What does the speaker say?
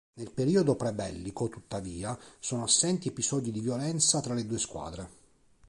Nel periodo prebellico, tuttavia, sono assenti episodi di violenza tra le due squadre.